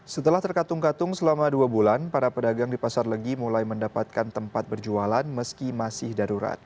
setelah terkatung katung selama dua bulan para pedagang di pasar legi mulai mendapatkan tempat berjualan meski masih darurat